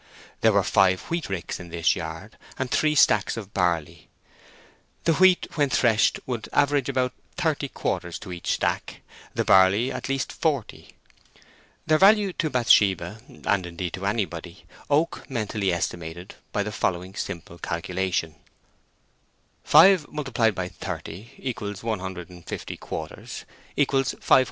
There were five wheat ricks in this yard, and three stacks of barley. The wheat when threshed would average about thirty quarters to each stack; the barley, at least forty. Their value to Bathsheba, and indeed to anybody, Oak mentally estimated by the following simple calculation:— 5 × 30 = 150 quarters = 500 £.